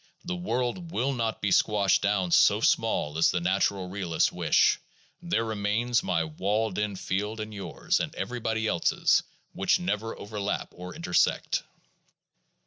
The world will not be squashed down so small as the natural realists wish ; there remain my walled in field and yours and everybody else's, which never overlap or intersect.